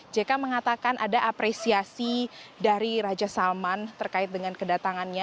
jk mengatakan ada apresiasi dari raja salman terkait dengan kedatangannya